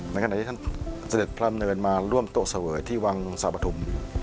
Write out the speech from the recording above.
ขณะที่ท่านเสด็จพระดำเนินมาร่วมโต๊ะเสวยที่วังสาปฐุม